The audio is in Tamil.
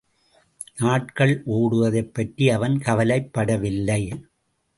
நாட்கள் ஓடுவதைப்பற்றி அவன் கவலைப்படவில்லை.